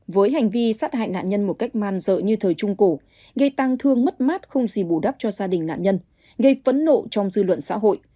với hành vi sát hại nạn nhân một cách man dợ như thời trung cổ gây tăng thương mất mát không gì bù đắp cho gia đình nạn nhân gây phẫn nộ trong dư luận xã hội